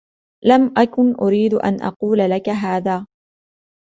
لم أكن أريد أن أقول لك هذا.